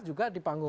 juga di panggung